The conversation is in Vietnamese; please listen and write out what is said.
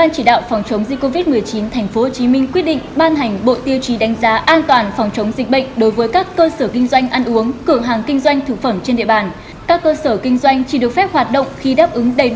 các bạn hãy đăng ký kênh để ủng hộ kênh của chúng mình nhé